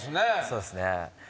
そうですね。